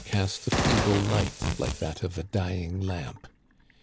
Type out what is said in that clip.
cast a feeble light like that of a dying lamp.